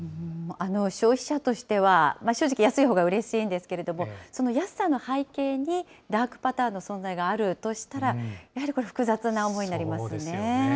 消費者としては、正直、安いほうが嬉しいんですけれども、その安さの背景に、ダークパターンの存在があるとしたら、やはりこそうですよね。